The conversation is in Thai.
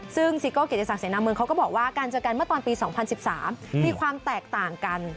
ซึ่งซิโก้เกียรติศักดิเสนาเมืองเขาก็บอกว่าการเจอกันเมื่อตอนปี๒๐๑๓มีความแตกต่างกัน